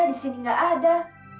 disini gak ada